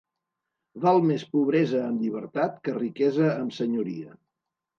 Val més pobresa amb llibertat, que riquesa amb senyoria.